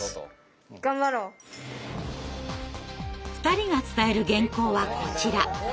２人が伝える原稿はこちら。